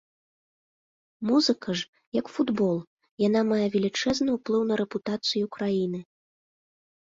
Музыка ж, як футбол, яна мае велічэзны ўплыў на рэпутацыю краіны.